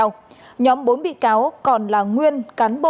cựu thứ trưởng bộ y tế cao minh quang bị tòa tuyên phạt ba mươi tháng tủ treo